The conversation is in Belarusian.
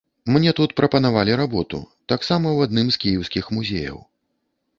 Мне тут прапанавалі работу, таксама ў адным з кіеўскіх музеяў.